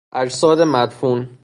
اجساد مدفون